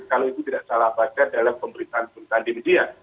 kalau itu tidak salah baca dalam pemberitaan pemberitaan di media